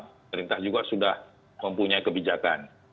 pemerintah juga sudah mempunyai kebijakan